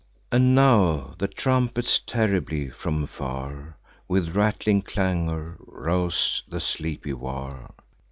And now the trumpets terribly, from far, With rattling clangour, rouse the sleepy war.